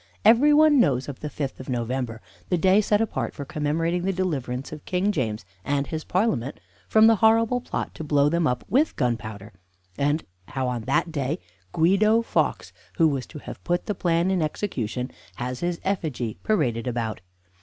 Every one knows of the fifth of November, the day set apart for commemorating the deliverance of King James and his Parliament from the horrible plot to blow them up with gunpowder, and how on that day Guido Fawkes, who was to have put the plan in execution, has his effigy paraded about.